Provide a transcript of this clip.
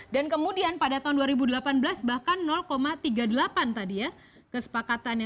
dan kemudian pada tahun dua ribu delapan belas bahkan tiga puluh delapan tadi ya kesepakatannya